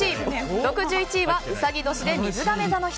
６１位はうさぎ年でみずがめ座の人。